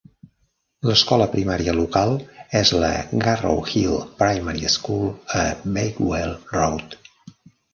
L'escola primària local és la Garrowhill Primary School, a Bakewell Road.